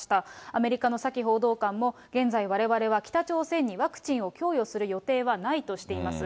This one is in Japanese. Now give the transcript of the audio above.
アメリカのサキ報道官も、現在われわれは北朝鮮にワクチンを供与する予定はないとしています。